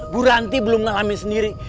bu rante belum ngalamin sendiri